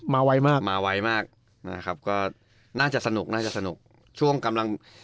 ไวมากมาไวมากนะครับก็น่าจะสนุกน่าจะสนุกช่วงกำลัง